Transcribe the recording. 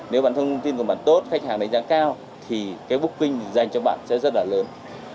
nếu bạn thông tin của bạn tốt khách hàng đánh giá cao thì cái booking dành cho bạn sẽ rất là lớn